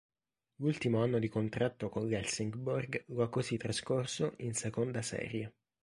L'ultimo anno di contratto con l'Helsingborg, lo ha così trascorso in seconda serie.